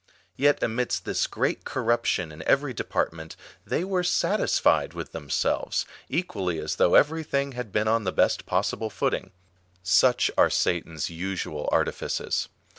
Yet amidst this great cor ruption in eveiy department, they were satisfied with them selves, equally as though every thing had been on the best possible footing. Such are Satan's usual artifices.